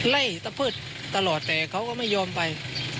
ไล่เตี๊ยดตะเพิดตลอดแต่เขาก็ไม่ยอมไป